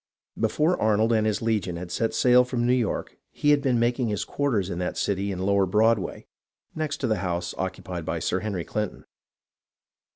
Be fore Arnold and his legion had set sail from New York he had been making his quarters in that city in lower Broad way, next to the house occupied by Sir Henry Clinton.